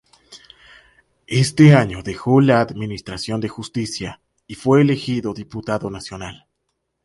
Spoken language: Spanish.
Este año dejó la administración de justicia y fue elegido diputado nacional.